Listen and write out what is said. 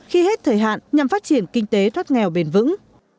khi hết thời hạn nhằm phát triển kinh tế thoát nghèo bền vững